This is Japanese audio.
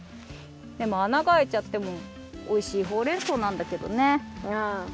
でもあながあいちゃってもおいしいほうれんそうなんだけどね。